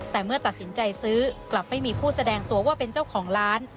แต่เมื่อตัดสินใจซื้อกลับไม่มีผู้แสดงตัวว่าเป็นเจ้าของร้าน